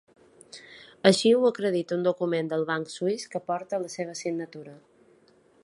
Així ho acredita un document del banc suís que porta la seva signatura.